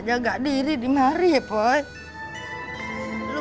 jangan jadi gara gara